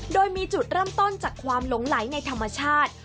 โดยมีจุดเริ่มต้นจากความหลงไหลในธรรมชาติ